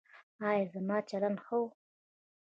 ایا زما چلند ښه و؟